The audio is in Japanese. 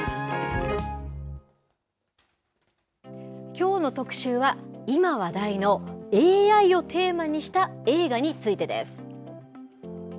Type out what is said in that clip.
きょうの特集は、今話題のＡＩをテーマにした映画についてです。